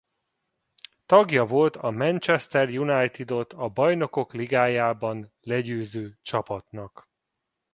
Tagja volt a Manchester Unitedot a Bajnokok Ligájában legyőző csapatnak.